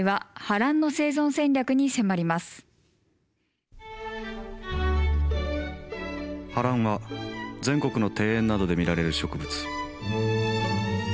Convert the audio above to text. ハランは全国の庭園などで見られる植物。